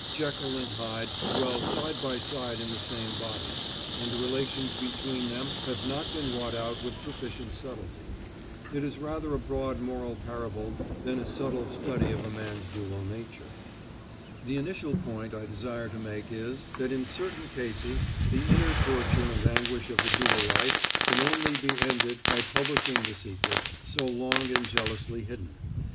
Jekyll and Hyde dwell side by side in the same body, and the relations between them have not been wrought out with sufficient subtlety. It is rather a broad moral parable than a subtle study of man's dual nature. The initial point I desire to make is, that in certain cases the inner torture and anguish of the dual life can only be ended by publishing the secret, so long and jealously hidden.